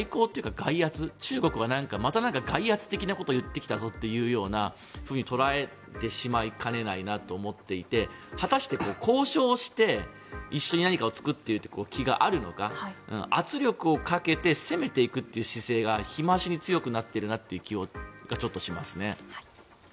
外圧中国がまた外圧的なことを言ってきたぞっていうようなふうに捉えてしまいかねないなと思っていて果たして交渉して一緒に何かを作る気があるのか圧力をかけて攻めていくっていう姿勢が日増しに強くなっているなという気がちょっとしますね。